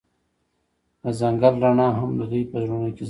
د ځنګل رڼا هم د دوی په زړونو کې ځلېده.